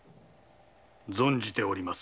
存じております。